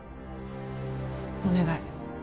お願い